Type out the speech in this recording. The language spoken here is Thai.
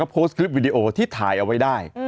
โพสต์คลิปวิดีโอที่ถ่ายเอาไว้ได้